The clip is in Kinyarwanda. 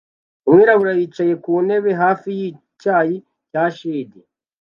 Umwirabura yicaye ku ntebe hafi yicyayi cya Shed